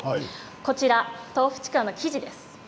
こちらとうふちくわの生地です。